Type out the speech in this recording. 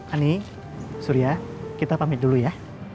ani surya kita pamit dulu ya